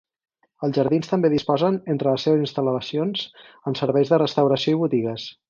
Els jardins també disposen entre les seves instal·lacions amb serveis de restauració i botigues.